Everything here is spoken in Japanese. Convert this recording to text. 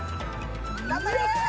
頑張れ！